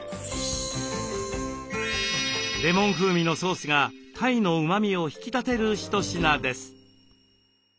レモン風味のソースが鯛のうまみを引き立てる一品です。